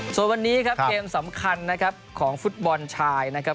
ส่วนวันนี้ครับเกมสำคัญนะครับของฟุตบอลชายนะครับ